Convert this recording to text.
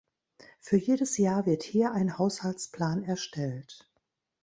Für jedes Jahr wird hier ein Haushaltsplan erstellt.